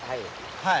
はい。